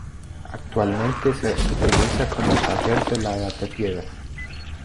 Actualmente se utiliza como taller de la Edad de Piedra.